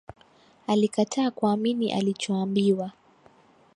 Alikataa kuamini alichoambiwa